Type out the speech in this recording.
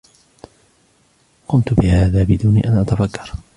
قمت بهذا بدون أن تفكر.